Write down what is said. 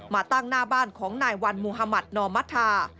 มาตั้งหน้าบ้านของนายวันมุธมัธนอมธา